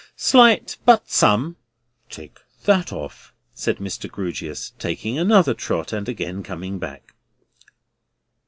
"Slight, but some." "Tick that off," said Mr. Grewgious, taking another trot, and again coming back.